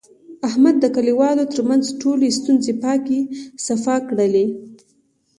احمد د کلیوالو ترمنځ ټولې ستونزې پاکې صفا کړلې.